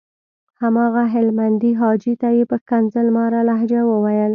هماغه هلمندي حاجي ته یې په ښکنځل ماره لهجه وويل.